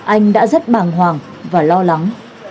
anh đã rất bàng hoàng và lo lắng